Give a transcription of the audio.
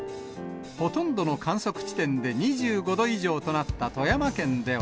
ほとんどの観測地点で２５度以上となった富山県では。